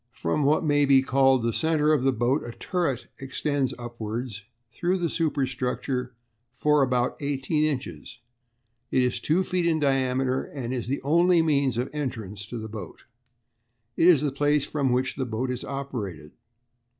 "From what may be called the centre of the boat a turret extends upwards through the superstructure for about eighteen inches. It is two feet in diameter, and is the only means of entrance to the boat. It is the place from which the boat is operated.